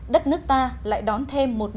đất nước ta lại đón thêm một ngày